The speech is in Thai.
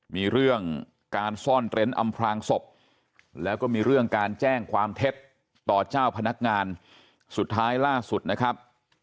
มีเรื่องการซ่อนเต้นอำพลางศพแล้วก็มีเรื่องการแจ้งความเท็จต่อเจ้าพนักงานสุดท้ายล่าสุดนะครับ